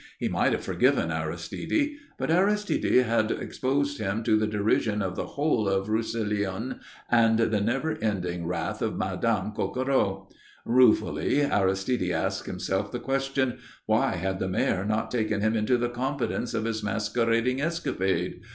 He might have forgiven Aristide. But Aristide had exposed him to the derision of the whole of Roussillon and the never ending wrath of Madame Coquereau. Ruefully Aristide asked himself the question: why had the Mayor not taken him into the confidence of his masquerading escapade?